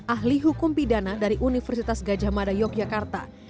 ahli hukum pidana dari universitas gajah mada yogyakarta